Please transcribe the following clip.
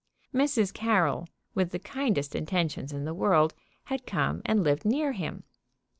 Mrs. Carroll, with the kindest intentions in the world, had come and lived near him.